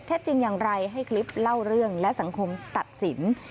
จริงอย่างไรให้คลิปเล่าเรื่องและสังคมตัดสิน